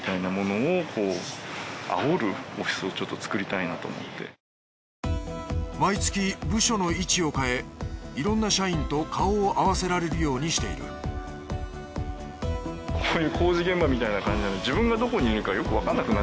そこには狙いが毎月部署の位置を変えいろんな社員と顔を合わせられるようにしているだいたい。